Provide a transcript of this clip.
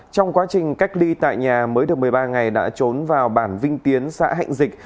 trong quá trình cách ly tại nhà mới được một mươi ba ngày đã trốn vào bản vinh tiến xã hạnh dịch